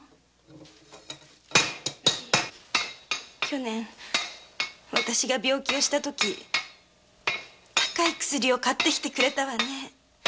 去年私が病気をした時高価なお薬を買ってくれたわね。